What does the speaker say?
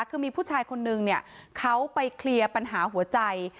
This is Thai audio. คือมีผู้ชายคนนึงเนี่ยเขาไปเคลียร์ปัญหาหัวใจ